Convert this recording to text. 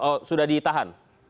oh sudah ditahan